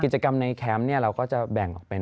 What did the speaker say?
กิจกรรมในแคมป์เราก็จะแบ่งออกเป็น